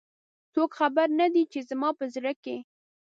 څوک خبر نه د ی، چې زما په زړه کې